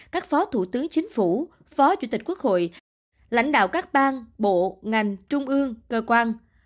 các phó thủ tướng chính phủ phó chủ tịch quốc hội lãnh đạo các bang bộ ngành trung ương cơ quan